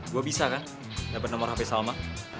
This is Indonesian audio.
gue bisa kan dapet nomer hp salma